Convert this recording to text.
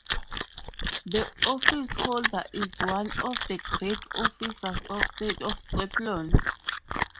The officeholder is one of the Great Officers of State of Scotland.